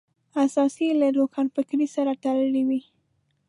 اساس یې له روښانفکرۍ سره تړلی وي.